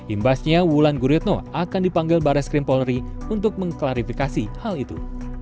imbasnya wulan guritno akan dipanggil bares krim polri untuk mengklarifikasi hal itu